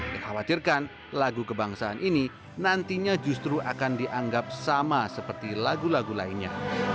dikhawatirkan lagu kebangsaan ini nantinya justru akan dianggap sama seperti lagu lagu lainnya